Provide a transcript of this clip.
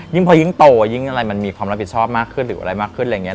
พอยิ่งโตยิ่งอะไรมันมีความรับผิดชอบมากขึ้นหรืออะไรมากขึ้นอะไรอย่างนี้